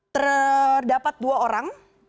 terdapat dua orang